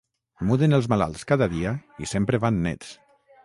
Muden els malalts cada dia i sempre van nets.